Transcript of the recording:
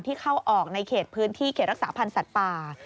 เข้าออกในเขตพื้นที่เขตรักษาพันธ์สัตว์ป่า